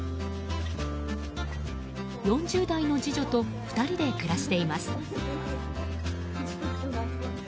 ４０代の次女と２人で暮らしています。